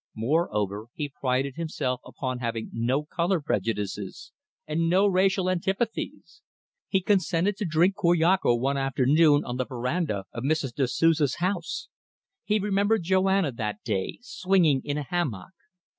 Moreover, he prided himself upon having no colour prejudices and no racial antipathies. He consented to drink curacoa one afternoon on the verandah of Mrs. da Souza's house. He remembered Joanna that day, swinging in a hammock.